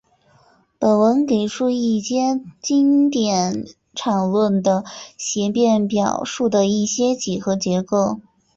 本文给出一阶经典场论的协变表述的一些几何结构。